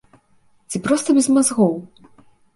Ці проста без мазгоў?